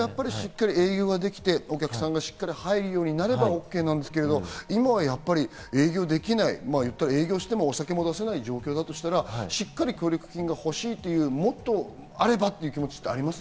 営業ができてお客さんが入るようになれば大丈夫なんだけど、今は営業できない、営業してもお酒も出せない状況だとしたら、しっかり協力金が欲しいという、もっとあればという気持ちってあります？